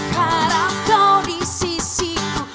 kuharap kau di sisi ku